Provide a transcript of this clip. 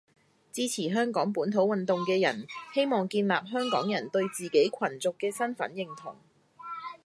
支持香港本土運動嘅人，希望建立香港人對自己群族嘅身份認同